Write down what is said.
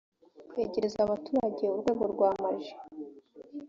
kwegereza abaturage urwego rwa maji